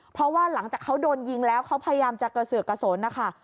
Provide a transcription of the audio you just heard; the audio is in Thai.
เพราะว่าหลังจากเขาโดนยิงแล้วเขาพยายามจะกระเสือกกระสนนะคะ